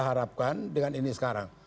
harapkan dengan ini sekarang